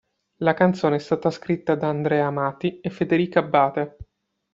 La canzone è stata scritta da Andrea Amati e Federica Abbate.